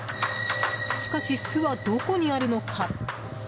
しかし、巣はどこにあるのか。